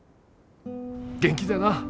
元気でな。